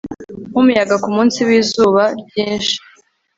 Nkumuyaga kumunsi wizuba ryinshi